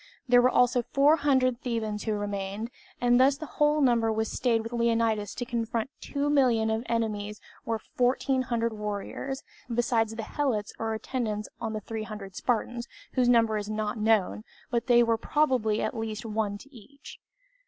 There were also 400 Thebans who remained; and thus the whole number that stayed with Leonidas to confront two million of enemies were fourteen hundred warriors, besides the helots or attendants on the 300 Spartans, whose number is not known, but there was probably at least one to each.